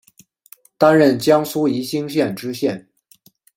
担任江苏宜兴县知县。